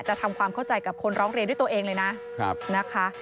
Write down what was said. ทำความเข้าใจกับคนร้องเรียนด้วยตัวเองเลยนะนะคะ